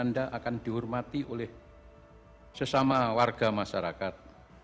anda akan dihormati oleh sesama warga masyarakat